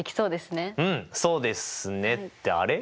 うんそうですねってあれっ？